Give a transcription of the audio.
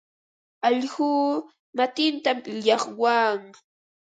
Allquu matintam llaqwan.